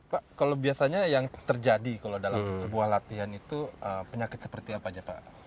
pak kalau biasanya yang terjadi dalam sebuah latihan itu penyakit seperti apa